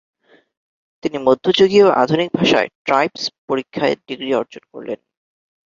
তিনি মধ্যযুগীয় আধুনিক ভাষায় ট্রাইপস্ পরীক্ষায় ডিগ্রি অর্জন করলেন।